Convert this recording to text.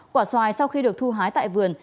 quả xoài sau khi được thu hái tại vườn